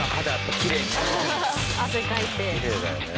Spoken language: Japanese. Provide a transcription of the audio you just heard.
きれいだよね。